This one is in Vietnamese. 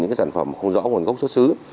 những sản phẩm không rõ nguồn gốc xuất xứ